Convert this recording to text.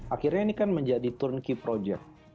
akhirnya ini kan menjadi turnkey project